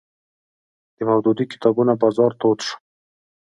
د مودودي کتابونو بازار تود شو